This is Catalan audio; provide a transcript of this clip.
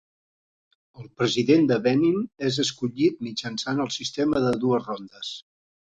El president de Benin és escollit mitjançant el sistema de dues rondes.